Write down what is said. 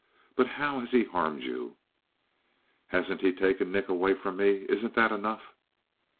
"But how has he harmed you?" "Hasn't he taken Nick away from me? Isn't that enough?"